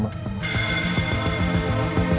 musik prosensi cln pls nelayan